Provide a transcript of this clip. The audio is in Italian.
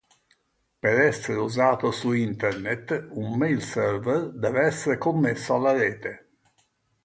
Per essere usato su Internet, un mail server deve essere connesso alla Rete.